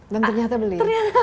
dan ternyata beli